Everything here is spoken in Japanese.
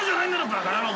バカ野郎。